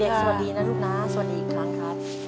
เด็กเด็กสวัสดีนะลูกนะสวัสดีอีกครั้งครับ